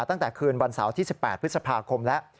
ตั้งแต่คืนวันเสาร์ที่๑๘พฤษภาคมแล้ว